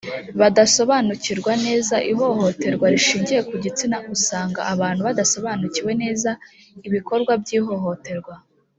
badasobanukirwa neza ihohoterwa rishingiye ku gitsina usanga abantu badasobanukiwe neza ibikorwa by ihohoterwa